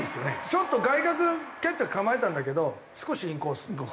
ちょっと外角キャッチャー構えたんだけど少しインコース。